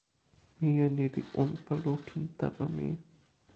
mije ni li unpa lukin tawa mi.